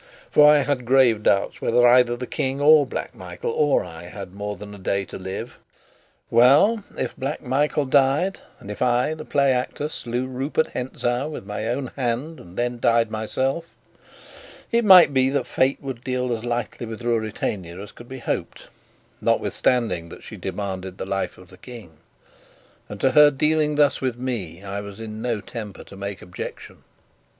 For I had great doubts whether either the King or Black Michael or I had more than a day to live. Well, if Black Michael died, and if I, the play actor, slew Rupert Hentzau with my own hand, and then died myself, it might be that Fate would deal as lightly with Ruritania as could be hoped, notwithstanding that she demanded the life of the King and to her dealing thus with me, I was in no temper to make objection.